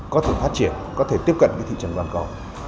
có thể phát triển có thể tiếp cận với thị trường toàn cầu